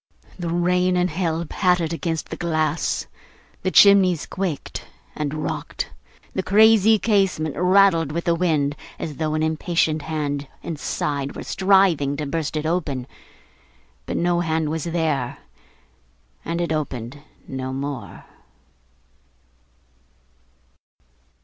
The rain and hail pattered against the glass; the chimneys quaked and rocked; the crazy casement rattled with the wind, as though an impatient hand inside were striving to burst it open. But no hand was there, and it opened no more.